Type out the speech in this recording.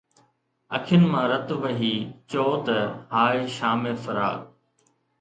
اکين مان رت وهي چئو ته ”هاءِ شام فراق